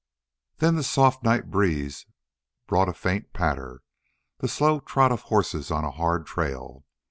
Then the soft night breeze brought a faint patter the slow trot of horses on a hard trail.